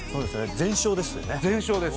全勝です